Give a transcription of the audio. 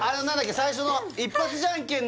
最初の・